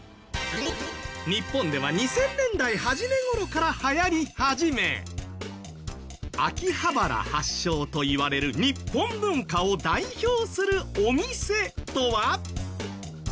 日本では２０００年代初め頃から流行り始め秋葉原発祥といわれる日本文化を代表するお店とは？